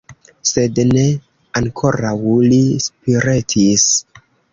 Sed ne; ankoraŭ li spiretis.